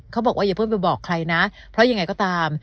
อย่าเพิ่งไปบอกใครนะเพราะยังไงก็ตาม